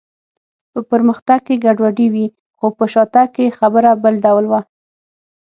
په پرمختګ کې ګډوډي وي، خو په شاتګ کې خبره بل ډول وه.